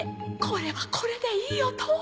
これはこれでいい音！